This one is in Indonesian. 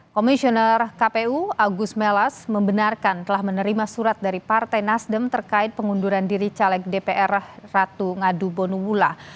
komisioner kpu agus melas membenarkan telah menerima surat dari partai nasdem terkait pengunduran diri caleg dpr ratu ngadu bonumula